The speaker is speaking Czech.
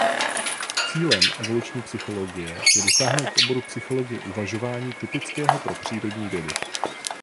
Cílem evoluční psychologie je dosáhnout v oboru psychologie uvažování typického pro přírodní vědy.